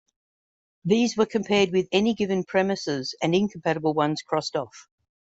These were compared with any given premises, and incompatible ones crossed off.